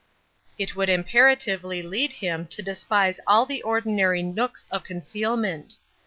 It would imperatively lead him to despise all the ordinary nooks of concealment.